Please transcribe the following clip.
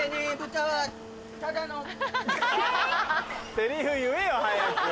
セリフ言えよ早く。